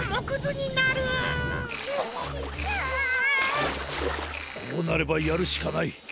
こうなればやるしかない。